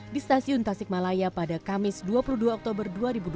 di stasiun tasikmalaya pada kamis dua puluh dua oktober dua ribu dua puluh